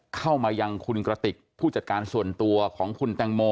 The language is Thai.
เข้ามายังคุณกระติกผู้จัดการส่วนตัวของคุณแตงโม